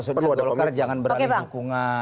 komitmen maksudnya golkar jangan berani dukungan